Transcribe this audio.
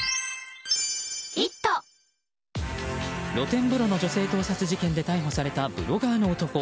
露天風呂の女性盗撮事件で逮捕されたブロガーの男。